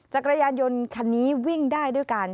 จักรยานยนต์คันนี้วิ่งได้ด้วยกัน